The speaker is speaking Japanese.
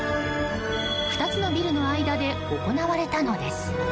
２つのビルの間で行われたのです。